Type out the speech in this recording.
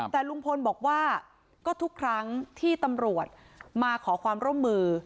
แต่ลุงพลบอกว่าก็ทุกครั้งที่ตำรวจมาขอความร่วมมือ